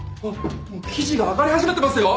記事が上がり始めてますよ！